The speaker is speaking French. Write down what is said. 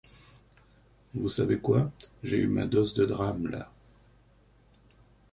Vous savez quoi ? j’ai eu ma dose de drames, là.